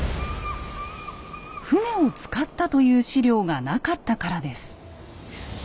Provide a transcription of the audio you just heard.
船を使ったという史料がなかったからです。